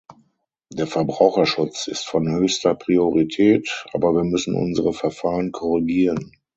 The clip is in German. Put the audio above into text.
Der Verbraucherschutz ist von höchster Priorität, aber wir müssen unsere Verfahren korrigieren.